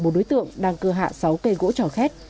một đối tượng đang cưa hạ sáu cây gỗ trò khét